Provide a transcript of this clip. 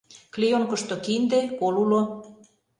Клеёнкышто кинде, кол уло.